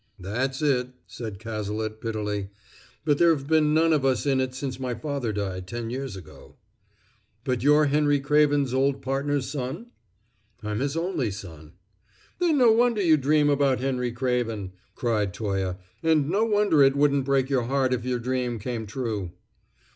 "That's it," said Cazalet bitterly. "But there have been none of us in it since my father died ten years ago." "But you're Henry Craven's old partner's son?" "I'm his only son." "Then no wonder you dream about Henry Craven," cried Toye, "and no wonder it wouldn't break your heart if your dream came true."